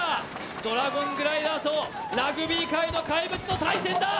ドラゴングライダーとラグビー界の怪物の対戦だ。